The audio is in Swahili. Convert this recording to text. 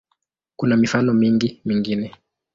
Kuna mifano mingi mingine.